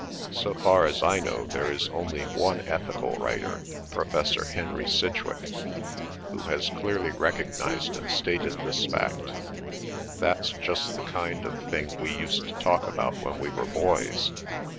'So far as I know there is only one ethical writer, Professor Henry Sidgwick, who has clearly recognised and stated this fact.' That's just the kind of thing we used to talk about when we were boys.